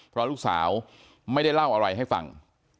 เพราะลูกสาวไม่ได้เล่าอะไรให้ฟัง